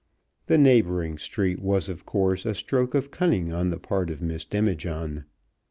The "neighbouring" street was of course a stroke of cunning on the part of Miss Demijohn.